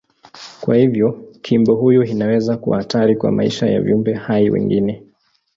Kwa hivyo kiumbe huyu inaweza kuwa hatari kwa maisha ya viumbe hai wengine.